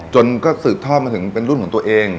จนก็สืบทอดมาถึงเป็นรุ่นของตัวเอง